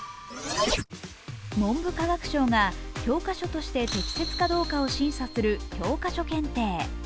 文部科学省が教科書として適切かどうかを審査する教科書検定。